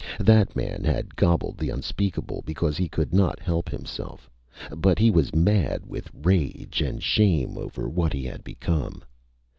That man had gobbled the unspeakable because he could not help himself, but he was mad with rage and shame over what he had become.